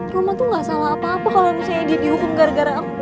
rumah tuh gak salah apa apa kalau misalnya dia dihukum gara gara aku